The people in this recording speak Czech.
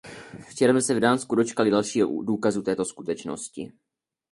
Včera jsme se v Dánsku dočkali dalšího důkazu této skutečnosti.